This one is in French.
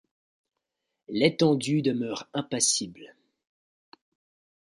L’étendue demeure impassible.